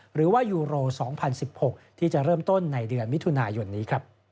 หรือว่ายูโร๒๐๑๖ที่จะเริ่มต้นในเดือนมิถุนายนนี้